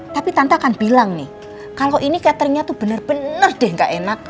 tapi tante akan bilang nih kalau ini cateringnya tuh benar benar deh nggak enak